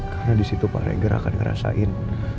karena disitu pak regar akan ngerasain